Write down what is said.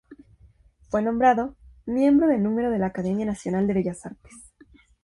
Fue nombrado miembro de número de la Academia Nacional de Bellas Artes.